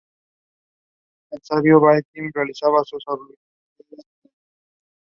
El sabio Valmiki realizaba sus abluciones diarias en el río Ganges.